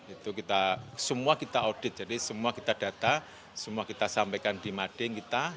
itu kita semua kita audit jadi semua kita data semua kita sampaikan di mading kita